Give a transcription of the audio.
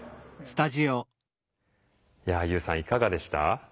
いやＹＯＵさんいかがでした？